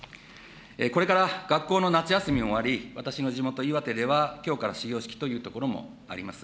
これから学校の夏休みも終わり、私の地元、岩手では、きょうから始業式というところもあります。